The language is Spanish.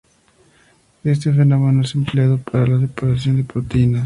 Este fenómeno es empleado para la separación de proteínas.